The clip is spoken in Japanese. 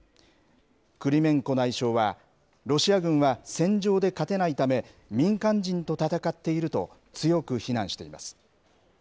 クリメンコ内相は、ロシア軍は戦場で勝てないため、民間人と戦っていると、強く非難しています。